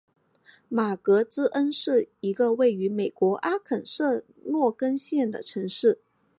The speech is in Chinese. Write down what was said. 马格兹恩是一个位于美国阿肯色州洛根县的城市。